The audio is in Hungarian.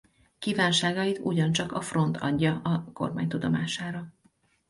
Kívánságait ugyancsak a Front adja a kormány tudomására.